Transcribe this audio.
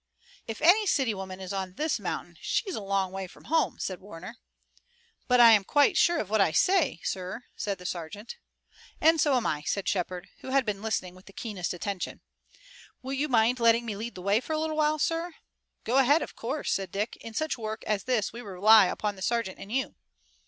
"If any city woman is on this mountain she's a long way from home," said Warner. "But I'm quite sure of what I say, sir," said the sergeant. "And so am I," said Shepard, who had been listening with the keenest attention. "Will you mind letting me lead the way for a little while, sir?" "Go ahead, of course," said Dick. "In such work as this we rely upon the sergeant and you."